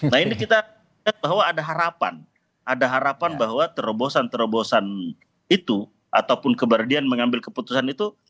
nah ini kita bahwa ada harapan ada harapan bahwa terobosan terobosan itu ataupun keberanian mengambil keputusan itu